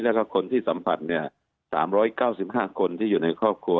แล้วก็คนที่สัมผัส๓๙๕คนที่อยู่ในครอบครัว